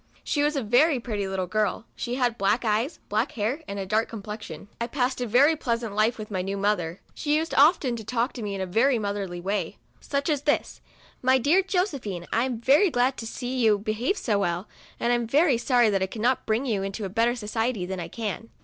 She was a very pretty little girl. She had black eyes, black hair, and a dark complexion. I passed a very pleasant life with my new mother. She used often to talk to me in a very motherly way ; such as this :" My dear Josephine, I am very glad to see you behave so well, and I am very sorry that I cannot bring you into better society than I can.